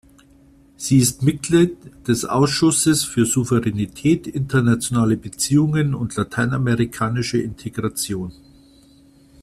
Sie ist Mitglied des Ausschusses für "Souveränität, internationale Beziehungen und lateinamerikanische Integration".